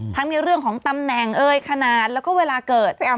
ทั้งเกี่ยวเรื่องของตำแหน่งเอ้ยขนาดและก็เวลาเกิด